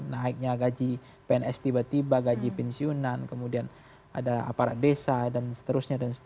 naiknya gaji pns tiba tiba gaji pensiunan kemudian ada aparat desa dan seterusnya